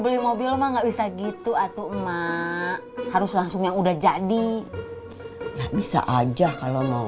beli mobil mah nggak bisa gitu atau emak harus langsung yang udah jadi bisa aja kalau mau